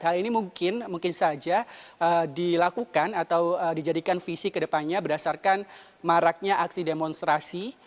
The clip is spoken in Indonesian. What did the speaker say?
hal ini mungkin saja dilakukan atau dijadikan visi ke depannya berdasarkan maraknya aksi demonstrasi